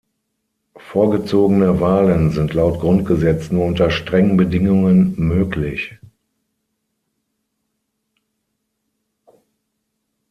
Vorgezogene Wahlen sind laut Grundgesetz nur unter strengen Bedingungen möglich.